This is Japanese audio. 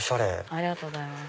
ありがとうございます。